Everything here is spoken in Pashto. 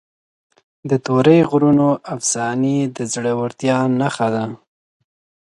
د تورې غرونو افسانې د زړورتیا نښه ده.